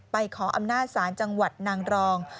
ขออำนาจศาลจังหวัดนางรอง